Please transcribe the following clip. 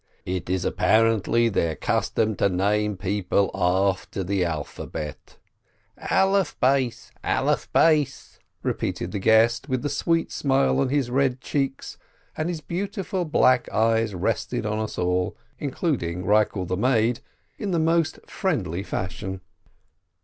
It is apparently their custom to name people after the alphabet." "Alef Bes! Alef Bes!" repeated the guest with the sweet smile on his red cheeks, and his beautiful black eyes rested on us all, including Rikel the maid, in the most friendly fashion.